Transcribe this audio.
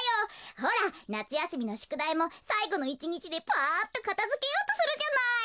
ほらなつやすみのしゅくだいもさいごの１にちでパっとかたづけようとするじゃない！